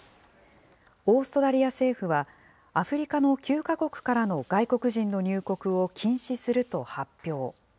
オーストラリア政府は、アフリカの９か国からの外国人の入国を禁止すると発表。